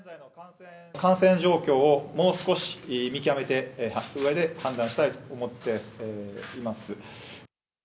感染状況をもう少し見極めたうえで判断したいと思っています。